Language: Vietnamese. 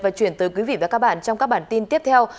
và chuyển tới quý vị và các bạn trong các bản tin tiếp theo